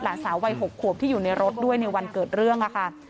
หลานสาววัย๖ขวบที่อยู่ในรถด้วยในวันเกิดเรื่องค่ะ